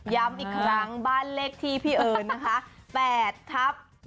ย้ำอีกครั้งบ้านเลขที่พี่เอิญนะคะ๘ทับ